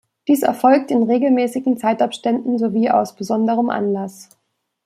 Dies erfolgt in regelmäßigen Zeitabständen sowie aus besonderem Anlass.